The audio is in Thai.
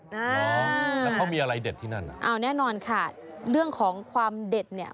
แล้วเขามีอะไรเด็ดที่นั่นอ่ะเอาแน่นอนค่ะเรื่องของความเด็ดเนี่ย